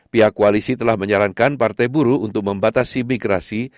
pihak koalisi telah menyalankan partai buru untuk membatasi migrasi